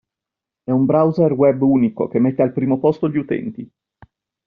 È un browser web unico che mette al primo posto gli utenti.